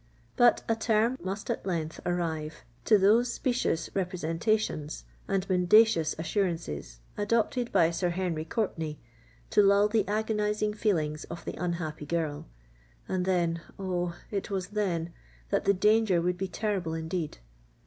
But a term must at length arrive to those specious representations and mendacious assurances adopted by Sir Henry Courtenay to lull the agonising feelings of the unhappy girl;—and then—oh! it was then, that the danger would be terrible indeed!